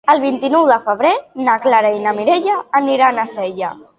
El vint-i-nou de febrer na Clara i na Mireia aniran a Sella.